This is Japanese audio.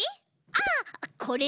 ああこれ？